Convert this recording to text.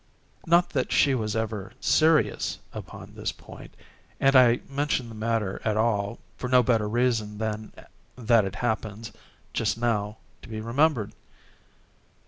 Not that she was ever serious upon this point—and I mention the matter at all for no better reason than that it happens, just now, to be remembered.